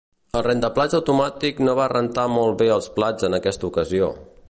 El rentaplats automàtic no va rentar molt bé els plats en aquesta ocasió.